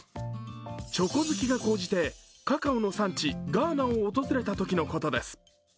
チョコ好きが高じてカカオの産地ガーナを訪れたときのことです。